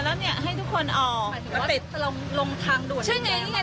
แล้วเนี่ยให้ทุกคนออกติดลงทางด่วนใช่ไงนี่ไง